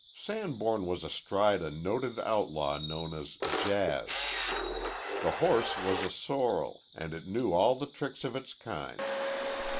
Sanborn was astride a noted outlaw known as Jazz. The horse was a sorrel, and it knew all the tricks of its kind.